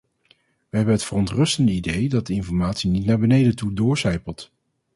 We hebben het verontrustende idee dat de informatie niet naar beneden toe doorsijpelt.